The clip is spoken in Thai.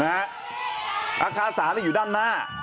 อาคารสารอยู่ด้านหน้า